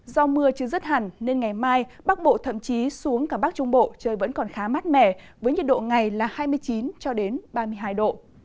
do mưa chưa dứt hẳn nên ngày mai bắc bộ thậm chí xuống cả bắc trung bộ trời vẫn còn khá mát mẻ với nhiệt độ ngày là hai mươi chín ba mươi hai độ